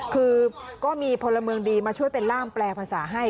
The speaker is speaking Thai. คือก็มีพลเมืองดีมาช่วยเป็นล่ามแปลภาษาให้